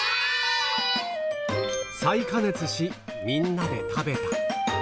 再加熱し、みんなで食べた。